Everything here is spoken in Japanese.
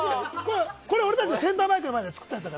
これ、俺たちのセンターマイクのやつで作ったから。